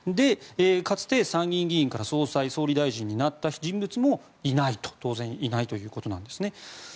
かつて参議院議員から総裁総理大臣になった人物も当然いないということなんですね。